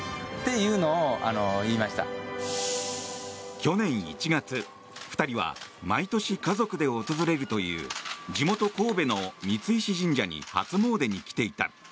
去年１月、２人は毎年家族で訪れるという地元・神戸の三石神社に初詣に来ていた。